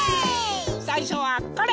さいしょはこれ！